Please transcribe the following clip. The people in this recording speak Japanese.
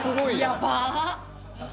やばっ。